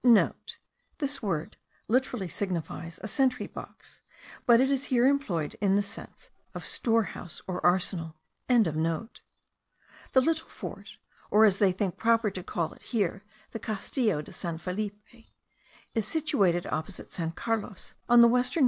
(* This word literally signifies a sentry box; but it is here employed in the sense of store house or arsenal.) The little fort, or, as they think proper to call it here, the Castillo de San Felipe, is situated opposite San Carlos, on the western bank of the Rio Negro.